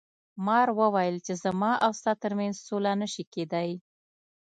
مار وویل چې زما او ستا تر منځ سوله نشي کیدی.